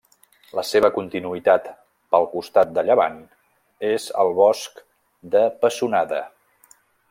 La seva continuïtat pel costat de llevant és el Bosc de Pessonada.